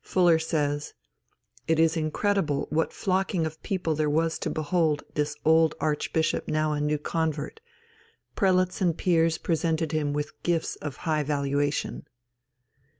Fuller says: "It is incredible what flocking of people there was to behold this old archbishop now a new convert; prelates and peers presented him with gifts of high valuation."